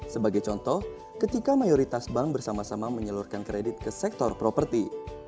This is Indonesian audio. sebagai contoh ketika mayoritas bank bersama sama menyalurkan kredit ke sektor properti